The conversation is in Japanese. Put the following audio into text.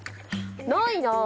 ないな。